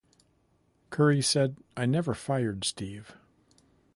Curry said, I never fired Steve.